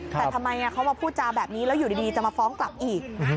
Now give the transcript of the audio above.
แต่ทำไมเขามาพูดจาแบบนี้แล้วอยู่ดีจะมาฟ้องกลับอีก